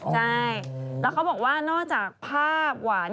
ใช่แล้วเขาบอกว่านอกจากภาพหวาน